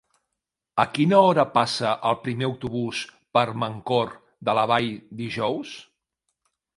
A quina hora passa el primer autobús per Mancor de la Vall dijous?